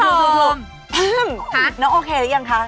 พึ่งน้องโอเคแล้วยังคะ